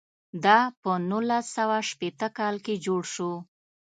دا په نولس سوه شپېته کال کې جوړ شو.